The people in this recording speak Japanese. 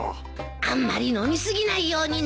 あんまり飲み過ぎないようにね！